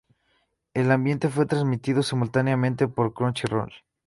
El anime fue transmitido simultáneamente por Crunchyroll.